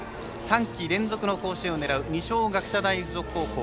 ３季連続の甲子園を狙う二松学舎大付属高校。